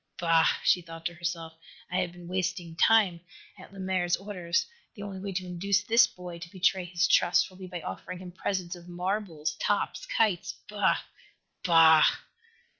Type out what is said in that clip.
"Bah!" she thought to herself. "I have been wasting time at Lemaire's orders. The only way to induce this boy to betray his trust will be by offering him presents of marbles, tops, kites bah! _Bah!